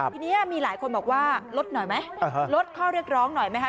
ทีนี้มีหลายคนบอกว่าลดหน่อยไหมลดข้อเรียกร้องหน่อยไหมคะ